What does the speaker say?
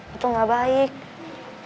itu gak baik ya